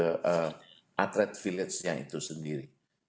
dari kbri itu hanya kebagian satu pas untuk masuk ke kompleks olimpiade atlet filipe